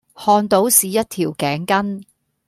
看到是一條頸巾